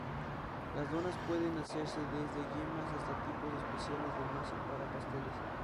Los donas pueden hacerse desde yemas hasta tipos especiales de masa para pasteles.